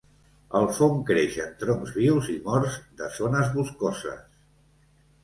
El fong creix en troncs vius i morts de zones boscoses.